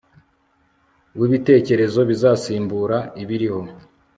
w'ibitekerezo bizasimbura ibiriho